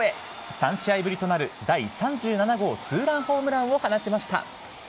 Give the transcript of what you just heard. ３試合ぶりとなる第３７号２ランホームランを放ちました。